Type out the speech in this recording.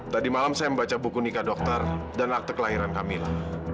tadi malam saya membaca buku nikah dokter dan akte kelahiran kamil